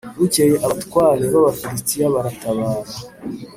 Bukeye abatware b’Abafilisitiya baratabara